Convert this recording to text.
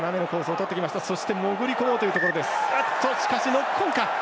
ノックオンか。